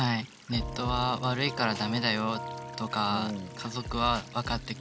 「ネットは悪いからだめだよ」とか家族はわかってくれない。